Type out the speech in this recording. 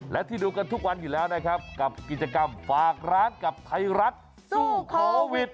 และที่ดูกันทุกวันอยู่แล้วนะครับกับกิจกรรมฝากร้านกับไทยรัฐสู้โควิด